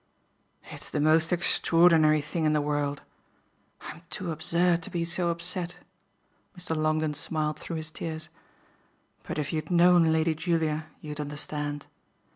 "It's the most extraordinary thing in the world. I'm too absurd to be so upset" Mr. Longdon smiled through his tears "but if you had known Lady Julia you'd understand.